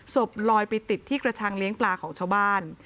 ศพลอยไปติดที่กระชังเลี้ยงปลาของชาวบ้าน